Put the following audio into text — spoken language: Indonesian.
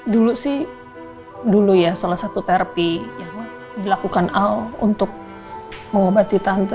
dulu sih dulu ya salah satu terapi yang dilakukan ao untuk mengobati tante